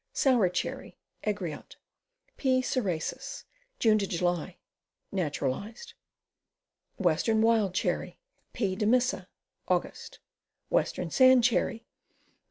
Sour Cherry. Egriot. P. Cerasus. June July. Natural ized. Western Wild Cherry. P. demissa. Aug. Western Sand Cherry.